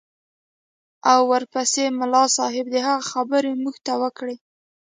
او ورپسې ملا صاحب د هغه خبرې موږ ته وکړې.